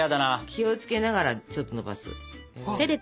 気を付けながらちょっとのばす。